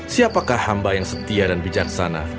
siapakah hamba yang setia dan bijaksana